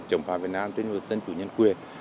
chống phá việt nam trên lĩnh vực dân chủ nhân quyền